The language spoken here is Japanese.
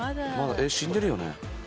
えっ死んでるよね？